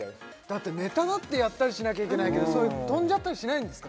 だってネタだってやったりしなきゃいけないけど飛んじゃったりしないんですか？